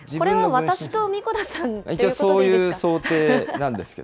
これは私と神子田さんということですか？